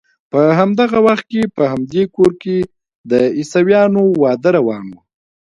په همدغه وخت کې په همدې کور کې د عیسویانو واده روان و.